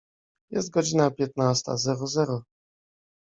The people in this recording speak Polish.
Jest godzina piętnasta zero zero.